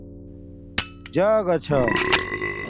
جاگہ چھݳ